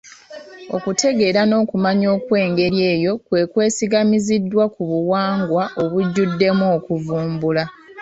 Okutegeera n’okumanya okw’engeri eyo kwe kwesigamiziddwa ku buwangwa obujjuddemu okuvumbula